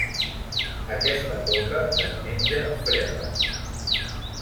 Aquesta coca es menja freda.